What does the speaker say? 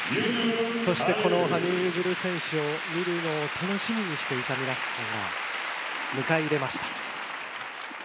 そしてこの羽生結弦選手を見るのを楽しみにしていた皆さんが迎え入れました。